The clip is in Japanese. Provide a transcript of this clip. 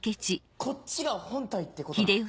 こっちが本体ってことなん？